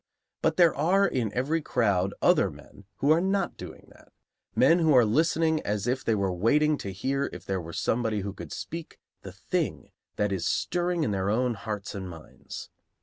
But there are in every crowd other men who are not doing that, men who are listening as if they were waiting to hear if there were somebody who could speak the thing that is stirring in their own hearts and minds.